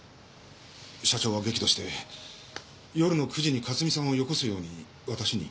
社長は激怒して夜の９時に克巳さんをよこすように私に。